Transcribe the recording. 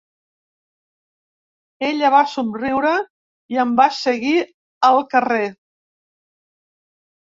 Ella va somriure i em va seguir al carrer.